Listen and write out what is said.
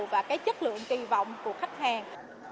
và cái chất lượng kỳ vọng của khách hàng